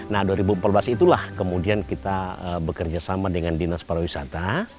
nah dua ribu empat belas itulah kemudian kita bekerja sama dengan dinas pariwisata